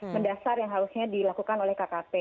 mendasar yang harusnya dilakukan oleh kkp